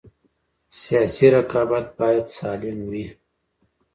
سیاسي رقابت باید سالم وي